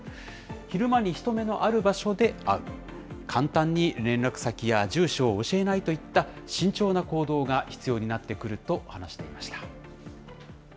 昼間に人目のある場所で会う、簡単に連絡先や住所を教えないといった、慎重な行動が必要になってくると話していました。